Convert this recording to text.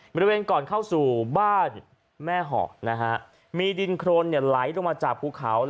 บริเวณก่อนเข้าสู่บ้านแม่เหาะนะฮะมีดินโครนไหลลงมาจากภูเขา